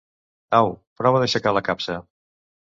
Au, prova d'aixecar la capsa.